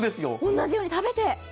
同じように食べて。